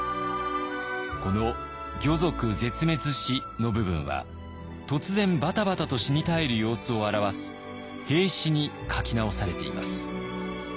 この「魚族絶滅し」の部分は突然バタバタと死に絶える様子を表す「斃死」に書き直されています。